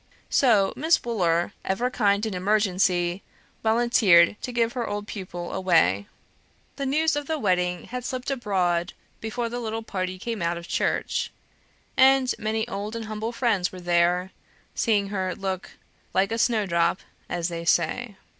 So Miss Wooler, ever kind in emergency, volunteered to give her old pupil away. The news of the wedding had slipt abroad before the little party came out of church, and many old and humble friends were there, seeing her look "like a snow drop," as they say.